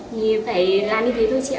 thì phải làm như thế thôi chị ạ